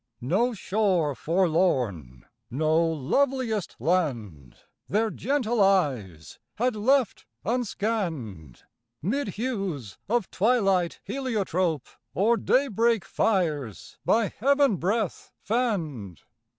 No shore forlorn, no loveliest land Their gentle eyes had left unscanned, 'Mid hues of twilight heliotrope Or daybreak fires by heaven breath fanned.